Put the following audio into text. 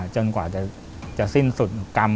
จนกว่าจะสิ้นสุดกรรม